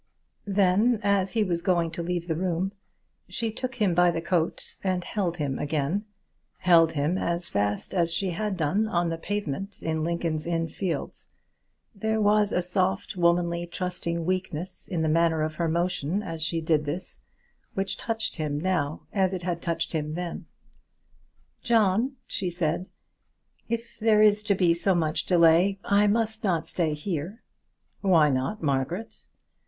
Then, as he was going to leave the room, she took him by the coat and held him again, held him as fast as she had done on the pavement in Lincoln's Inn Fields. There was a soft, womanly, trusting weakness in the manner of her motion as she did this, which touched him now as it had touched him then. "John," she said, "if there is to be so much delay, I must not stay here." "Why not, Margaret?"